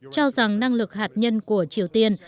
cho rằng năng lực hạt nhân của triều tiên